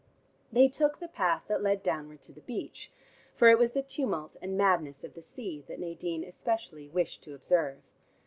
They took the path that led downward to the beach, for it was the tumult and madness of the sea that Nadine especially wished to observe.